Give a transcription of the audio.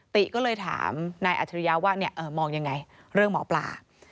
ติก็เลยถามนายอัจฉริยะว่ามองยังไงเรื่องหมอปลา